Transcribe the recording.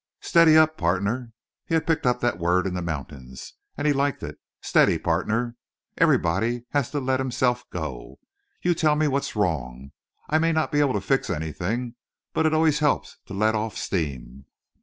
"Steady up, partner." He had picked up that word in the mountains, and he liked it. "Steady, partner. Everybody has to let himself go. You tell me what's wrong. I may not be able to fix anything, but it always helps to let off steam."